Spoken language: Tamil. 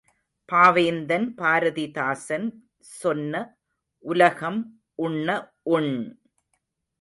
பாவேந்தன் பாரதிதாசன் சொன்ன, உலகம் உண்ண உண்!